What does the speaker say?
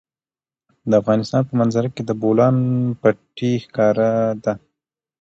د افغانستان په منظره کې د بولان پټي ښکاره ده.